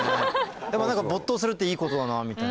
でも何か没頭するっていいことだなみたいな。